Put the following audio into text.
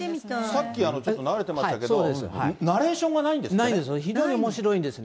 さっきちょっと流れてましたけど、ナレーションがないんですないんです。